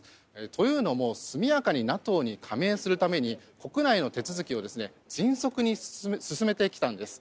というのも速やかにＮＡＴＯに加盟するために国内の手続きを迅速に進めてきたんです。